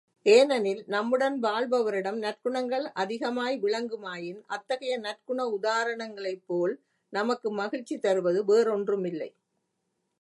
ஏனெனில் நம்முடன் வாழ்பவரிடம் நற்குணங்கள் அதிகமாய் விளங்குமாயின், அத்தகைய நற்குண உதாரணங்களைப்போல் நமக்கு மகிழ்ச்சி தருவது வேறொன்றுமில்லை.